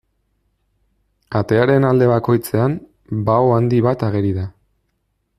Atearen alde bakoitzean, bao handi bat ageri da.